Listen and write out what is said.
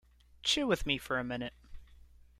Chill with me for a minute.